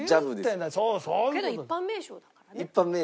けど一般名称だからね。